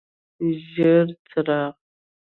ژیړ څراغ: